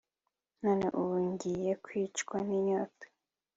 none ubu ngiye kwicwa n'inyota